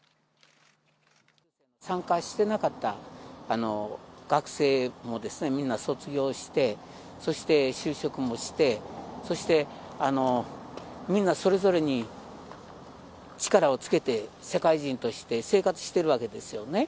参加してなかった学生も、みんな卒業して、そして就職もして、そしてみんな、それぞれに力をつけて、社会人として生活してるわけですよね。